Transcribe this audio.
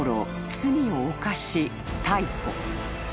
罪を犯し逮捕］